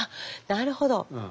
なるほど。